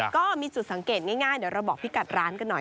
ก็มีจุดสังเกตง่ายเดี๋ยวเราบอกพี่กัดร้านกันหน่อย